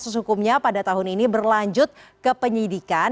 proses hukumnya pada tahun ini berlanjut ke penyidikan